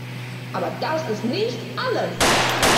Aber das ist nicht alles.